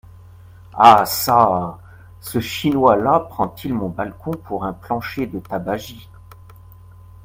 Ah ! çà ! ce Chinois-là prend-il mon balcon pour un plancher de tabagie…